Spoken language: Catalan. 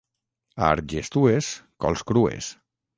A Argestues, cols crues.